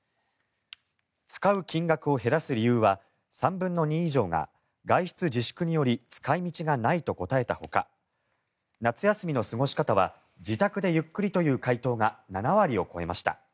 使う金額を減らす理由は３分の２以上が外出自粛により使い道がないと答えたほか夏休みの過ごし方は自宅でゆっくりという回答が７割を超えました。